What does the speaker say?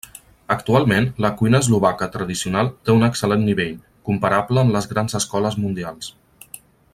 Actualment, la cuina eslovaca tradicional té un excel·lent nivell, comparable amb les grans escoles mundials.